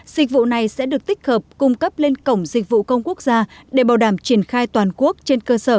dịch vụ này sẽ được tích hợp cung cấp lên cổng dịch vụ công quốc gia để bảo đảm triển khai toàn quốc trên cơ sở